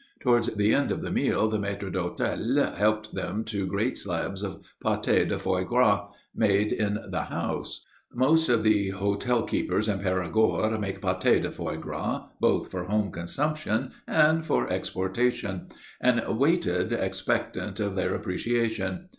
Towards the end of the meal the maître d'hôtel helped them to great slabs of pâté de foie gras, made in the house most of the hotel keepers in Perigord make pâté de foie gras, both for home consumption and for exportation and waited expectant of their appreciation.